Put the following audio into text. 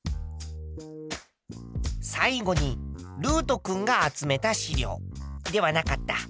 最後にるうと君が集めた資料。ではなかった。